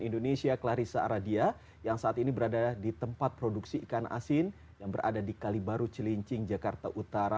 indonesia clarissa aradia yang saat ini berada di tempat produksi ikan asin yang berada di kalibaru celincing jakarta utara